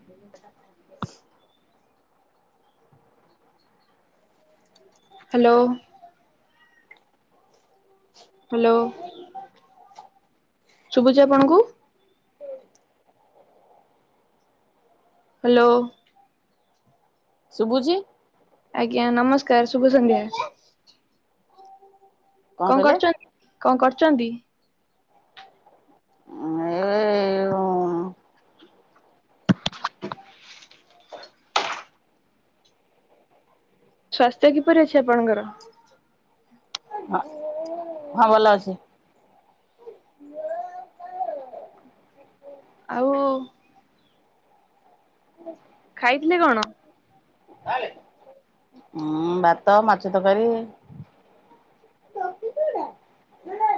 [inaudible] [inaudible] Hello [unintelligible] hello ଶୁଭୁଚି ଆପଣଙ୍କୁ? Hello, ଶୁଭୁଛି? ଆଜ୍ଞା ନମସ୍କାର ଶୁଭସନ୍ଧ୍ୟା। କଣ କରୁଛନ୍ତି, କଣ କରୁଛନ୍ତି? ସ୍ଵାସ୍ଥ୍ୟ କିପରି ଅଛି ଆପଣଙ୍କର? [inaudible] ହଁ ଭଲ ଅଛି। ଆଉ ଖାଇଥିଲେ କଣ? ଉଁ ଭାତ, ମାଛ ତରକାରୀ,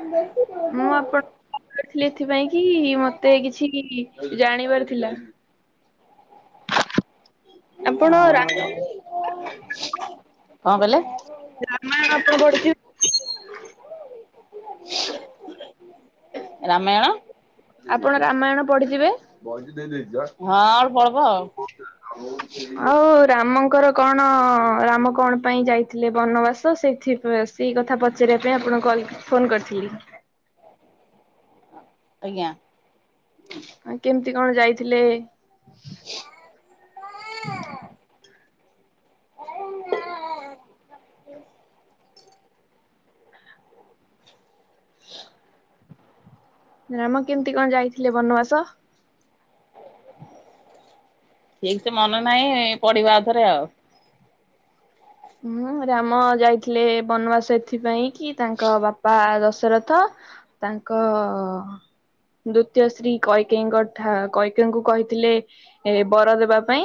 [inaudible] ଥିଲି ଏଥିପାଇଁ କି ମତେ କିଛି ଜାଣିବାର ଥିଲା। ଆପଣ ଦେମି [unintelligible] ହ କଣ କହିଲେ? ରାମାୟଣ ଉପରେ ପଢୁଚି। ରାମାୟଣ। ଆପଣ ରାମାୟଣ ପଢିଥିବେ? ହଁ ଅଳ୍ପ ଅଳ୍ପ ଆଉ ଆଉ ରାମଙ୍ କଣ ପାଇଁ ଯାଇଥିଲେ ବନବାସ ସେଇଥିପାଇଁ ସେତିକି କଥା ପଚାରିବା ପାଇଁ, ଆପଣଙ୍କୁ କଲ୍ ଫୋନ୍ କରିଥିଲି। ଆଜ୍ଞା। କେମିତି କଣ ଯାଇଥିଲେ? ହ। ରାମ କେମିତି କଣ ଯାଇଥିଲେ ବନବାସ? ଠିକ ସେ ମନେ ନାହିଁ ପଢିବା ଆଉଥରେ ଆଉ। ହୁଁ ରାମ ଯାଇଥିଲେ ବନବାସ ଏଥିପାଇଁ କି ତାଙ୍କ ବାପା ଦଶରଥ। ତାଙ୍କ ଦ୍ଵିତୀୟ ସ୍ତ୍ରୀ କୈକେୟୀଙ୍କୁ କହିଥିଲେ। ଏ ବର ଦେବା ପାଇଁ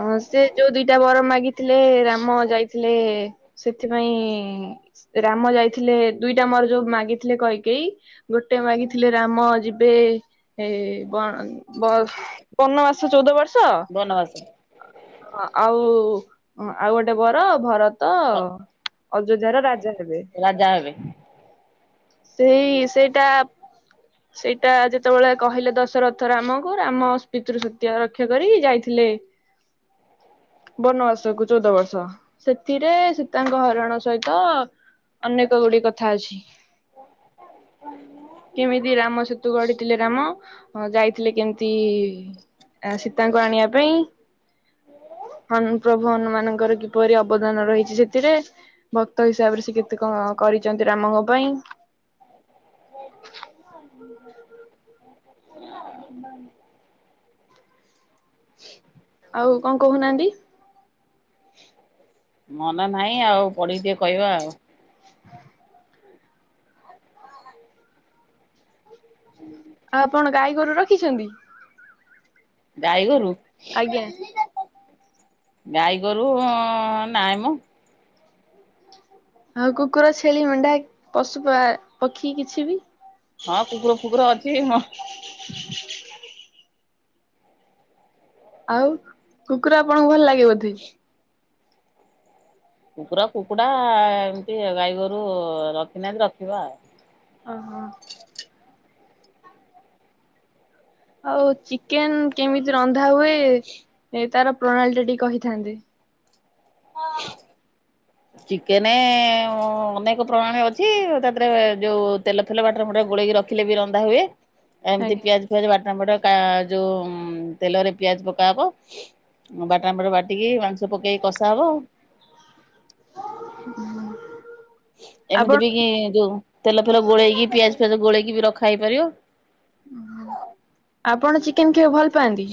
ଅଁ ସେ ଯୋଉ ଦିଟା ବର ମାଗି ଥିଲେ ରାମ ଯାଇଥିଲେ ସେଥିପାଇଁ ରାମ ଯାଇଥିଲେ ଦୁଇଟା ବର ଯୋଉ ମାଗିଥିଲେ କୈକେୟୀ। ଗୋଟେ ମାଗିଥିଲେ ରାମ ଯିବେ ଏ ବ ବ ବନବାସ ଚଉଦ ବର୍ଷ। ବନବାସ। ହ ଆଉ। ହ ଆଉ ଗୋଟେ ବର ଭରତ ଅଯୋଧ୍ୟାର ରାଜା ହେବେ। ରାଜା ହେବେ ସେଇ ସେଇଟା। ସେଇଟା ଯେତେବେଳେ କହିଲେ ଦଶରଥ ରାମଙ୍କୁ, ରାମ ପିତୃ ସତ୍ୟା ରକ୍ଷା କରି ଯାଇଥିଲେ। ବନବାସ୍ କୁ ଚୋଉଦ ବର୍ଷ ସେଥିରେ ସୀତାଙ୍କ ହରଣ ସହିତ ଅନେକ ଗୁଡିଏ କଥା ଅଛି। କେମିତି ରାମ ସେତୁ ଗଢିଥିଲେ ରାମ ଯାଇଥିଲେ କେମିତି ଆ ସୀତାଙ୍କୁ ଆଣିବା ପାଇଁ ହଁ ପ୍ରଭୁ ହନୁମାନଙ୍କର କିପରି ଅବଦାନ ରହିଛି ସେଥିରେ। ଭକ୍ତ ହିସାବରେ ସେ କେତେ କଣ କରିଚନ୍ତି ରାମଙ୍କ ପାଇଁ। ଆଉ କଁ କୋହୁନାହାନ୍ତି? ମନେ ନାହିଁ ଆଉ ପଢିକି ଟିକେ କହିବା ଆଉ। ଆଉ ଆପଣ ଗାଈ ଗୋରୁ ରଖିଛନ୍ତି? ଗାଈ ଗୋରୁୁ? ଆଜ୍ଞା ଗାଈଗୋରୁ ନାଇଁ ମ। ଆଉ କୁକୁର ଛେଳି ମେଣ୍ଢା କି ପଶୁ ପ ପକ୍ଷୀ କିଛି ବି? ହଁ କୁକୁର କୁକୁର ଅଛି। ଆଉ କୁକୁର ଆପଣଙ୍କୁ ଭଲ୍ ଲାଗେ ବୋଧେ? ହ କୁକୁର କୁକୁଡ଼ା ଏମତି ଗାଈ ଗୋରୁ ରଖିନାହାନ୍ତି ରଖିବା ଆଉ। ଓ ହୋ। ଆଉ ଚିକେନ୍ କେମିତି ରନ୍ଧା ହୁଏ ଏ ତାର ପ୍ରଣାଳୀ ଟା ଟିକେ କହିଥାନ୍ତେ। ଚିକେନେ ଅନେକ ପ୍ରଣାଳୀ ଅଛି ଏକାଥରେ ଯୋଉ ତେଲ ଫେଲ ବାଟରେ ଫଟ ଗୋଳକି ରଖିଲେ ବି ରନ୍ଧା ହୁଏ ଆ ଏମିତି ଆଜ୍ଞା ପିଆଜ୍ ପିଆଜ ବାଟଣ ଫାଟଣ କା ଯୋଉ ତେଲରେ ପିଆଜ ପକାହବ। ବାଟଣ ଫାଟଣ ବାଟିକି ମାଂସ ପକେଇକି କଷା ହବ ଆଉ। ହୁଁ। ଏମିତି ବି କି ଯୋଉ ତେଲ ଫେଲ ଗୋଳେଇକି ପିଆଜ ଫିଆଜ ଗୋଳେଇକି ବି ରଖା ହେଇ ପାରିବ। ଆପଣ ଚିକେନ ଖଇବାକୁ ଭଲ୍ ପାଆନ୍ତି?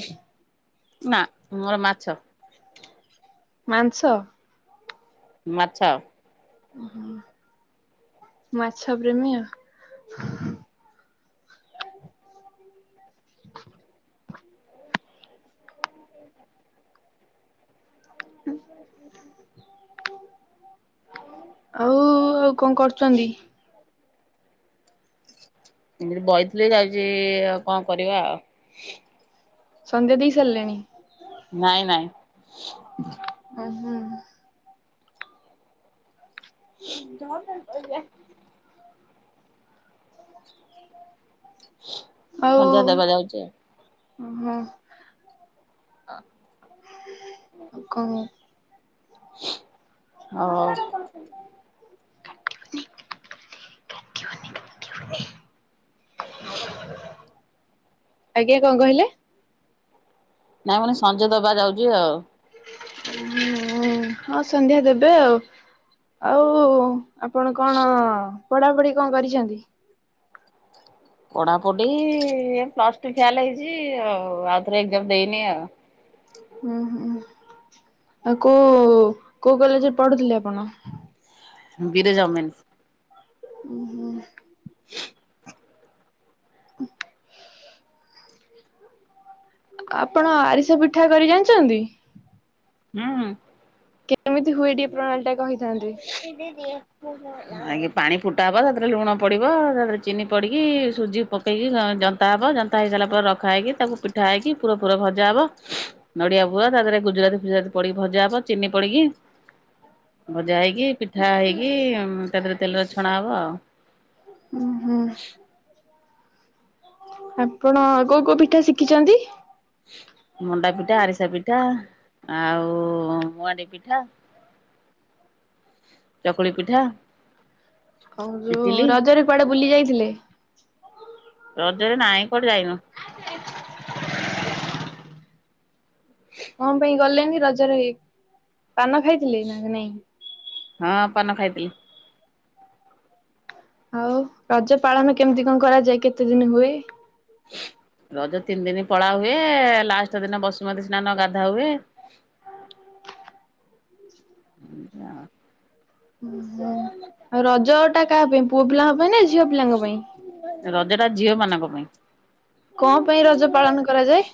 ନା ମୋର ମାଛ। ମାଂସ ମାଛ ଓହୋ ମାଛ ପ୍ରେମୀ ଆଉ। ହଁ [unintelligible] ଆଉ କଁ କରୁଚନ୍ତି ଏମିତି ବଇଥିଲି ଯାଉଛି କଁ କରିବା ଆଉ। ସନ୍ଧ୍ୟା ଦେଇ ସାରିଲେଣି? ନାଇଁ ନାଇଁ। ଅ ହୁଁ। ଵ ଟା ପିଲା। ଆଉ ସଞ୍ଜ ଦେବା ଯାଉଛି ଓ ହୋ କଁ ଆଉ କାଟିବନି କାଟିବନି କାଟିବନି କାଟିବନି। ଆଜ୍ଞା କଁ କହିଲେ? ନା ମାନେ ସଞ୍ଜ ଦବା ଯାଉଚି ଆଉ। ହଁ ହଁ ସନ୍ଧ୍ୟା ଦେବେ ଆଉ ଆଉ ଆପଣ କଣ ପଢାପଢି କଣ କରିଛନ୍ତି? ପଢାପଢି ପ୍ଲସ ଟୁ ଫେଲ୍‌ ହେଇଛି ଆଉ ଆଉଥରେ ଏକ୍ଜାମ ଦେଇନି ଆଉ। ହୁଁ ହୁଁ ଆଉ କୋଉ କୋଉ କଲେଜରେ ପଢୁଥିଲେ ଆପଣ। ବିରଜା ୱଅମେନ୍ସ। ଓୁ ହୁଁ। ହ [unintelligible] ହ [unintelligible] ଆପଣ ଆରିସା ପିଠା କରି ଜାଣିଛନ୍ତି। ହୁଁ ହୁଁ। କେମିତି ହୁଏ ଟିକେ ପ୍ରଣାଳୀ ଟା କହିଥାନ୍ତେ। [unintelligible] ଆଗେ ପାଣି ଫୁଟା ହବ ତା ଦେହରେ ଲୁଣ ପଡିବ ତାରେ ଚିନି ପଡିକି ସୁଜି। ପକେଇକି ଜନ୍ତା ହେବ ଜନ୍ତା ହେଇସାରିଲା ପରେ ରଖା ହେଇକି ତାକୁ ପିଠା ହେଇକି ପୁରା ପୁରା ଭଜା ହେବ। ନଡିଆ ବୁଆ ତାପରେ ଗୁଜୁରାତି ଫୁଜା ପି ଭଜା ହବ ଚିନି ପଡିକି। [inaudible] ଭଜା ହେଇକି ପିଠା ହେଇକି ତା ଦେହରେ ତେଲରେ ଛଣା ହେବ ଆଉ। ହୁଁ ହୁଁ। ଆପଣ କୋଉ କୋଉ ପିଠା ଶିଖିଛନ୍ତି। ମଣ୍ଡା ପିଠା ଆରିସା ପିଠା ଆଉ ମୁଆଣ୍ଡି ପିଠା। ଚକୁଳି ପିଠା। [unintelligible] ଇଟିଲି ରଜରେ କୁଆଡେ ବୁଲି ଯାଇଥିଲେ। ରଜରେ ନାଇଁ କୁଆଡେ ଯାଇନୁ। କଣ ପାଇଁ ଗଲେଣିି ରଜରେ ପାନ ଖାଇଥିଲେ ନା ନାଇଁ? ହଁ ପନ ଖାଇଥିଲି। ଆଉ ରଜ ପାଳନ କେମିତି କଣ କରାଯାଏ କେତେ ଦିନ ହୁଏ। ରଜ ତିନି ଦିନ ପଳା ହୁଏ ଲାଷ୍ଟ ଦିନ ବସୁମତୀ ସ୍ନାନ ଗାଧା ହୁଏ। ହୁଁ। ଉ ହୁଁ ଆଉ ରଜ ଟା କାହା ପାଇଁ ପୁଅ ପିଲାଙ୍କ ପାଇଁ ନା ଝିଅ ପିଲାଙ୍କ ପାଇଁ। ରଜଟା ଝିଅ ମାନଙ୍କ ପାଇଁ। କଣ ପାଇଁ ରଜ ପାଳନ କରାଯାଏ।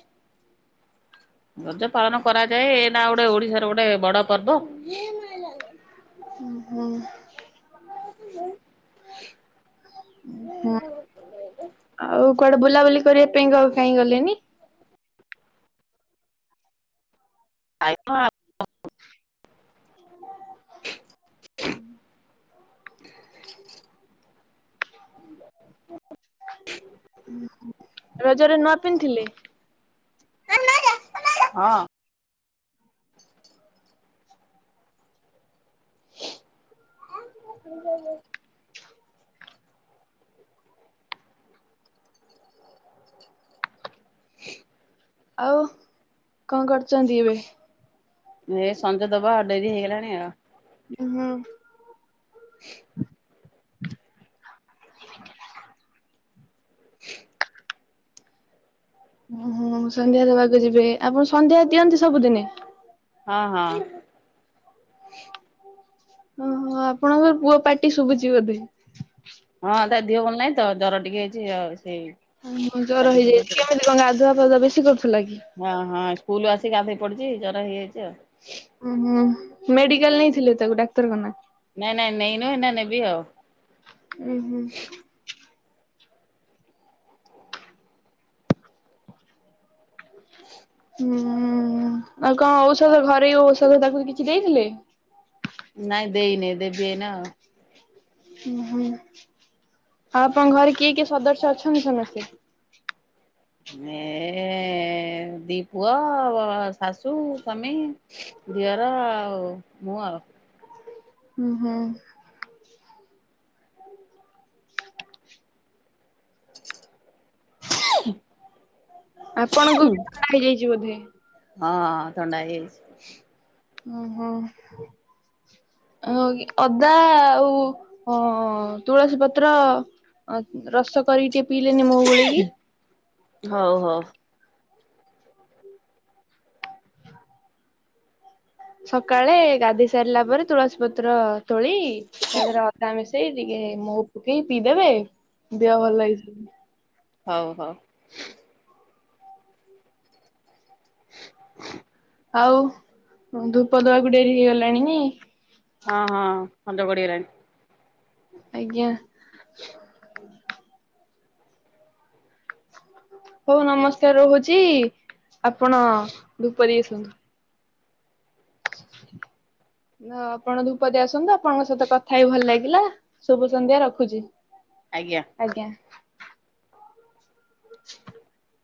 ରଜ ପାଳନ କରାଯାଏ ଏନା ଗୋଟେ ଓଡିଶାର ଗୋଟେ ବଡ ପର୍ବ। [unintelligible] ହୁଁ ହୁଁ। ହୁଁ ହଁ ଆଉ କୁଆଡେ ବୁଲାବୁଲି କରିବା ପାଇଁ କକୁ କାହିଁ ଗଲେଣିି। ଆ। ହୁଁ ହ ରଜରେ ନୂଆ ପିନ୍ଧିଲି। ହଁ। ହୁଁ [inaudible] [inaudible] ଆଉ କଣ କରୁଛନ୍ତି ଏବେ। ଏ ସଞ୍ ଦବା ଡେରି ହେଇଗଲାଣି ଆଉ ହୁଁ ହ [inaudible] ଓ ହୋ ସନ୍ଧ୍ୟା ଦେବାକୁ ଯିବେ ଆପଣ ସନ୍ଧ୍ୟା ଦିଅନ୍ତି ସବୁଦିନେ? ହଁ ହଁ। ଓହୋ ଆପଣଙ୍କର ପୁଅ ପାଟି ଶୁଭୁଛି ବୋଧେ? ହଁ ତା ଦିହ ଭଲ ନାହିଁ ତ ଜର ଟିକେ ହେଇଛି ଆଉ ସେଇ ହ ମୁଁ ଜର ପାଟି ଶୁଭୁଚି ହେଇଯାଇଥିଲି ଆଉ। କେମିତି ଗାଧୁଆ ପଧୁଆ ବେଶୀ କରୁଥିଲା କି? ହଁ ହଁ ସ୍କୁଲ ଆସିକି ଗାଧୋଇ ପଡିୁଛି ଜର ହେଇଯାଇଛି ଆଉ। ଉଁ ହୁଁ ମେଡିକାଲ ନେଇଥିଲେ ତାକୁ ଡାକ୍ତର ଖାନା? ନାଇଁ ନାଇଁ ନେଇନୁ ଏଇନା ନେବି ଆଉ। ଉୁଁ ହୁଁ ହ ହୁଁ ଆଉ କଣ ଔଷଧ ଘରେ ଔଷଧ ତାକୁ କିଛି ଦେଇଥିଲେ? ନାଇଁ ଦେଇନି ଦେବି ଏଇନା ଆଉ। ଓ ହୁଁ ଆଉ ଆପଣଙ୍କ ଘରେ କିଏ କିଏ ସଦସ୍ୟ ଅଛନ୍ତି ସମସ୍ତେ? ଏ ଦୀ ପୁଅ ଶାଶୁ ସ୍ୱାମୀ ଦିଅର ଆଉ ମୁଁ ଆଉ। ହୁଁ ହୁଁ [inaudible] ଆପଣଙ୍କୁ ବି ଥଣ୍ଡା ହେଇଯାଇଛି ବୋଧେ? ହଁଁ ଥଣ୍ଡା ହେଇଯାଇଛି। ଓ ହୋ କି ଅଦା ଆଉ ଅ ତୁଳସୀ ପତ୍ର ଆ ରସ କରିକି ଟିକେ ପିଇଲେନି ମହୁ ଗୋଳେଇକି। ହଉ ହଉ ହ ସକାଳେ ଗାଧି ସାରିଲା ପରେ ତୁଳସୀ ପତ୍ର ତୋଳି ତା ଦେରେ ଅଦା ମିଶ ସେଇ ଟିକେ ମୋ ପକେଇ ପିଇଦେବେ ଦେହ ଭଲ ହେଇଯିବ। ହଉ ହଉ। ଆଉ ଧୂପ ଦବାକୁ ଡେରି ହେଇଗଲାଣି ନେଇ। ହଁ ହଁ ଅନ୍ଦ ପଡିଗଲାଣି। ଆଜ୍ଞା। ହଉ ନମସ୍କାର ରହୁଛି ଆପଣ ଧୂପ ଦେଇ ଆସନ୍ତୁ। ନ ଆପଣ ଧୂପଦେଇ ଆସନ୍ତୁ ଆପଣଙ୍କ ସହିତ କଥା ହେଇି ଭଲ ଲାଗିଲା। ଶୁଭସନ୍ଧ୍ୟା ରଖୁଛି। ଆଜ୍ଞା। ଆଜ୍ଞା। [inaudible]